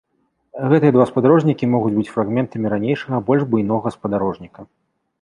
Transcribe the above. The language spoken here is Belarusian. Гэтыя два спадарожнікі могуць быць фрагментамі ранейшага больш буйнога спадарожніка.